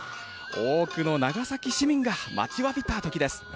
多くの長崎市民が待ちわびたときです。